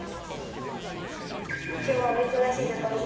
今日はお忙しい中お時間をいただき。